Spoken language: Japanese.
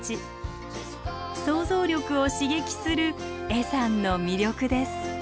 想像力を刺激する恵山の魅力です。